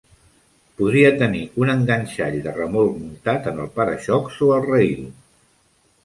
Podria tenir un enganxall de remolc muntat en el para-xocs o al rail.